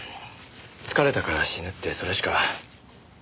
「疲れたから死ぬ」ってそれしか。